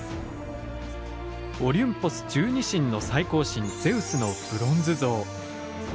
オリュンポス十二神の最高神ゼウスのブロンズ像。